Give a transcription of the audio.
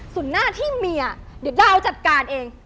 ส่วนหน้าที่เมียเดี๋ยวดาวจัดการเอง